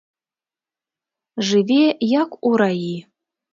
Жыве, як у раі.